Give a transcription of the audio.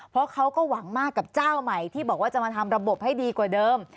เพราะเขาก็หวังมากกับเจ้าใหม่ที่บอกว่าจะมาทำระบบให้ดีกว่าเดิม